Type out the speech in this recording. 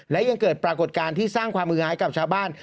และยังเกิดปรากฏการณ์ที่สร้างความมือหายกับชาวบ้าน